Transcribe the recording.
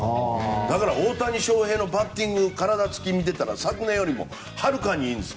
だから、大谷翔平のバッティング体つきを見ていたら昨年よりもはるかにいいです。